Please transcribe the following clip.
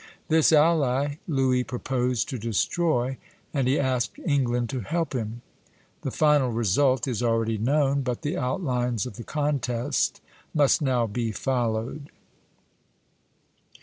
This ally Louis proposed to destroy, and he asked England to help him. The final result is already known, but the outlines of the contest must now be followed.